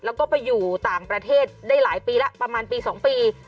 แล้วก็ไปอยู่ต่างประเทศได้หลายปีแล้วประมาณปี๒ปี